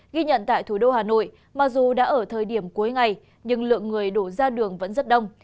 ghi nhận tại thủ đô hà nội mặc dù đã ở thời điểm cuối ngày nhưng lượng người đổ ra đường vẫn rất đông